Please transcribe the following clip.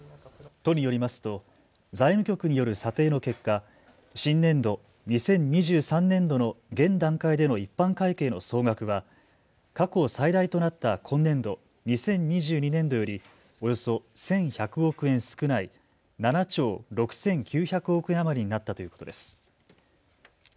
都によりますと財務局による査定の結果、新年度・２０２３年度の現段階での一般会計の総額は過去最大となった今年度・２０２２年度よりおよそ１１００億円少ない７兆６９００億円余りになったということです。